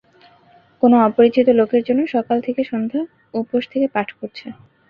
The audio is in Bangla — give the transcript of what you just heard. কোনো অপরিচিত লোকের জন্য সকাল থেকে সন্ধ্যা উপোস থেকে পাঠ করছে।